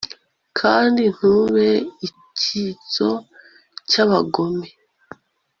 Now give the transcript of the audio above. kandi ntube icyitso cy'abagome